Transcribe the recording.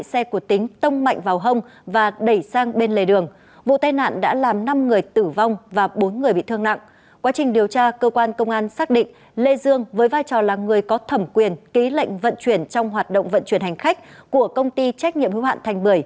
quá trình điều tra cơ quan công an xác định lê dương với vai trò là người có thẩm quyền ký lệnh vận chuyển trong hoạt động vận chuyển hành khách của công ty trách nhiệm hữu hạn thành một mươi